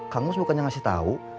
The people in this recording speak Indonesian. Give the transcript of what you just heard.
kang mus bukannya ngasih tau